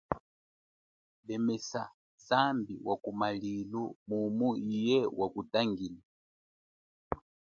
Lemesa zambi wa kumalilu mumu iye wa kutangile.